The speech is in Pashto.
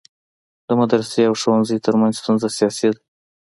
د مدرسي او ښوونځی ترمنځ ستونزه سیاسي ده.